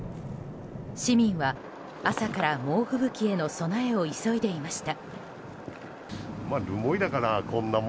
市民は、朝から猛吹雪への備えを急いでいました。